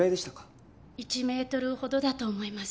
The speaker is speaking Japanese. １メートルほどだと思います